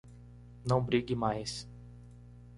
Não brigue mais